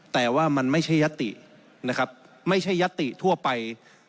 แต่ว่ามันไม่ใช่ยัตติ